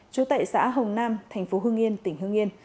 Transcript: trú tại xã hồng nam tp hương yên tỉnh hương yên